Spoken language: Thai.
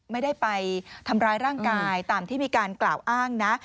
ไม่ได้ไปทำร้ายร่างกายตามที่มีการกล่าวอ้างนะ